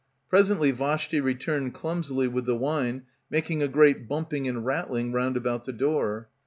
Presently Vashti returned clumsily with the wine, making a great bumping and rattling round about the door.